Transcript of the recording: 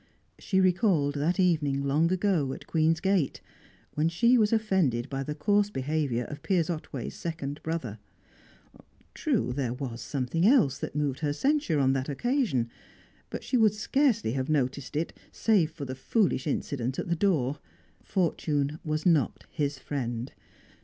She recalled that evening, long ago, at Queen's Gate, when she was offended by the coarse behaviour of Piers Otway's second brother. True, there was something else that moved her censure on that occasion, but she would scarcely have noticed it save for the foolish incident at the door. Fortune was not his friend.